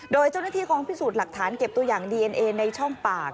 โดยเจ้าหน้าที่กองพิสูจน์หลักฐานเก็บตัวอย่างดีเอ็นเอในช่องปาก